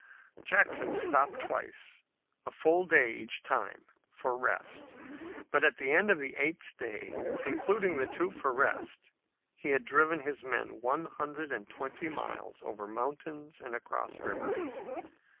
Jackson stopped twice, a full day each time, for rest, but at the end of the eighth day, including the two for rest, he had driven his men one hundred and twenty miles over mountains and across rivers.